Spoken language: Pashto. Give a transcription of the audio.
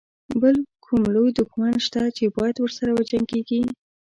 بل کوم لوی دښمن شته چې باید ورسره وجنګيږي.